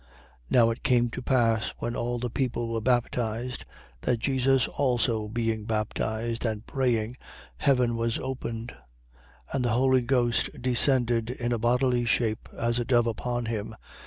3:21. Now it came to pass, when all the people were baptized, that Jesus also being baptized and praying, heaven was opened. 3:22. And the Holy Ghost descended in a bodily shape, as a dove, upon him.